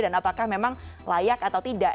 dan apakah memang layak atau tidak